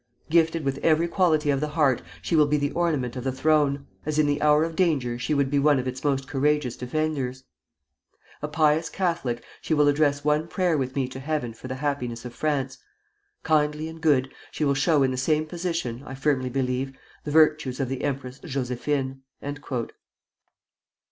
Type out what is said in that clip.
Gifted with every quality of the heart, she will be the ornament of the throne, as in the hour of danger she would be one of its most courageous defenders. A pious Catholic, she will address one prayer with me to Heaven for the happiness of France. Kindly and good, she will show in the same position, I firmly believe, the virtues of the Empress Josephine."